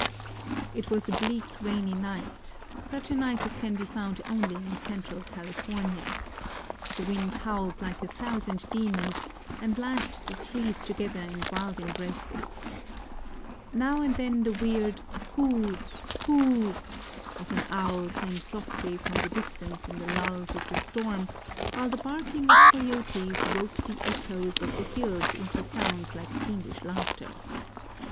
It was a bleak, rainy night such a night as can be found only in central California. The wind howled like a thousand demons, and lashed the trees together in wild embraces. Now and then the weird ŌĆ£hoot, hoot! ŌĆØ of an owl came softly from the distance in the lulls of the storm, while the barking of coyotes woke the echoes of the hills into sounds like fiendish laughter.